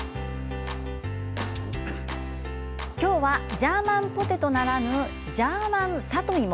今日はジャーマンポテトならぬジャーマン里芋。